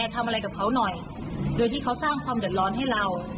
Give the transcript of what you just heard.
ตำรวจว่าไงนะ